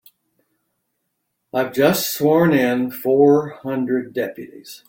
I've just sworn in four hundred deputies.